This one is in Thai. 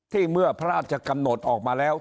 เมื่อพระราชกำหนดออกมาแล้ว